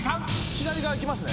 左側いきますね。